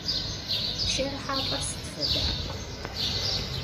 Пщэрыхьапӏэр сыд фэда?